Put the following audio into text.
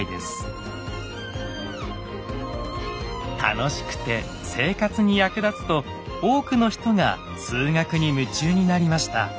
楽しくて生活に役立つと多くの人が数学に夢中になりました。